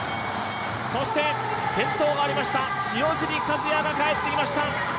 そして転倒がありました、塩尻和也が帰ってきました。